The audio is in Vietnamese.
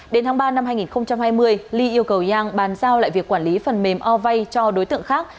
đến tháng ba năm hai nghìn hai mươi li yêu cầu yanyang bàn giao lại việc quản lý phần mềm ovay cho đối tượng khác